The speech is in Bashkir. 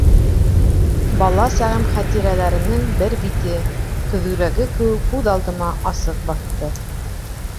Бала сағым хәтирәләренең бер бите, көҙгөләге кеүек, күҙ алдыма асыҡ баҫты.